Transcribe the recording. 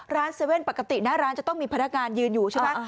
ร้านเซเว่นปกตินะร้านจะต้องมีพนักงานยืนอยู่ใช่ปะ